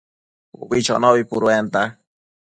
Ubi chonobi puduanta